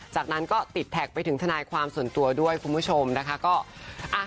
จากนั้นก็ติดแท็กไปถึงทนายความส่วนตัวด้วยคุณผู้ชมนะคะก็อ่ะ